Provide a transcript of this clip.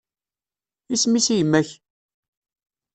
Isem-is i yemma-k?